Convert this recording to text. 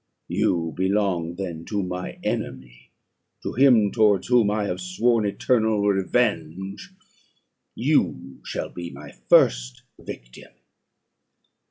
you belong then to my enemy to him towards whom I have sworn eternal revenge; you shall be my first victim.'